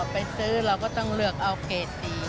ไปซื้อเราก็ต้องเลือกเอาเกรดดี